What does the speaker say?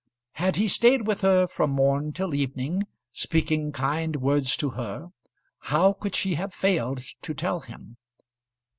Had he stayed with her from morn till evening, speaking kind words to her, how could she have failed to tell him?